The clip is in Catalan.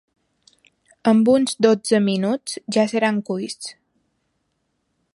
Amb uns dotze minuts ja seran cuits.